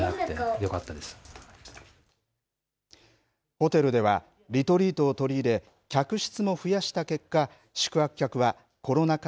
ホテルではリトリートを取り入れ客室も増やした結果宿泊客はコロナ禍